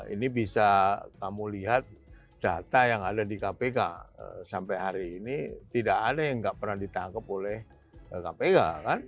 ini bisa kamu lihat data yang ada di kpk sampai hari ini tidak ada yang nggak pernah ditangkap oleh kpk